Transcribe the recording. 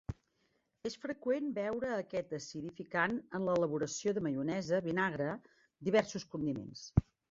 És freqüent veure aquest acidificant en l'elaboració de maionesa, vinagre, diversos condiments.